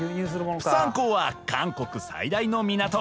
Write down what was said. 釜山港は韓国最大の港。